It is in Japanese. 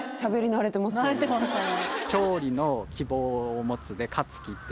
慣れてましたね